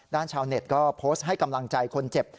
ชาวเน็ตก็โพสต์ให้กำลังใจคนเจ็บ